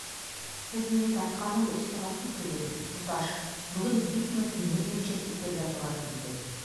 — Һеҙ мине тартҡаным өсөн ғәфү итегеҙ, туташ, бөгөн бик ныҡ нервничать итергә тура килде.